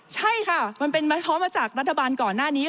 ใช่ค่ะมันมาท้อมจากรัฐบาลก่อนหน้านี้